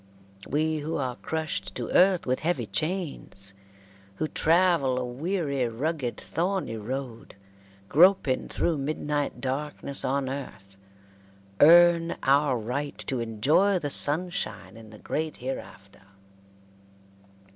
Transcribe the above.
We who are crushed to earth with heavy chains, who travel a weary, rugged, thorny road, groping through midnight darkness on earth, earn our right to enjoy the sunshine in the great hereafter.